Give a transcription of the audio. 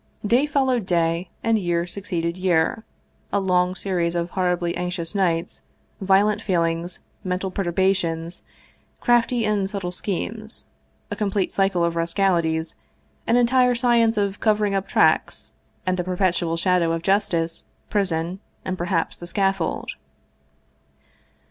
Day followed day, and year succeeded year, a long series of horribly anxious nights, violent feelings, mental perturbations, crafty and subtle schemes, a complete cycle of rascalities, an entire science of covering up tracks, and the perpetual shadow of justice, prison, and perhaps the scaffold.